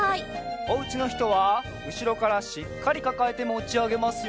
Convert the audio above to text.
おうちのひとはうしろからしっかりかかえてもちあげますよ。